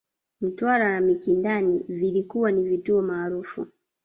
Mtwara na Mikindani vilikuwa ni vituo maarufu